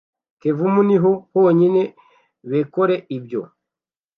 Kevumu niho honyine bekore ibyo